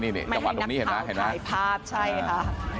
นี่จังหวะตรงนี้เห็นมั้ยถ่ายภาพใช่ค่ะ